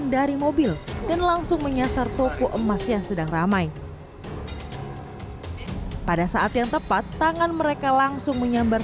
dan langsung menyasar toko emas yang sedang ramai pada saat yang tepat tangan mereka langsung menyambar